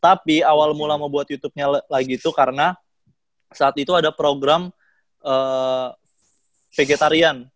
tapi awal mula mau buat youtubenya lagi itu karena saat itu ada program vegetarian